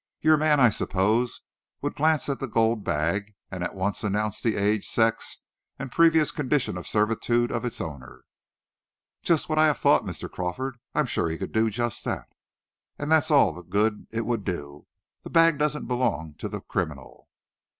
Your man, I suppose, would glance at the gold bag, and at once announce the age, sex, and previous condition of servitude of its owner." "Just what I have thought, Mr. Crawford. I'm sure he could do just that." "And that's all the good it would do! That bag doesn't belong to the criminal."